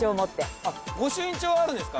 ご朱印帳あるんですか？